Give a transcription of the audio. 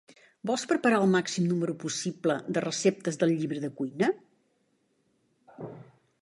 Vols preparar el màxim número possible de receptes del llibre de cuina.